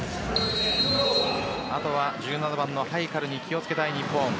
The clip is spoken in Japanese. あとは１７番のハイカルに気をつけたい日本。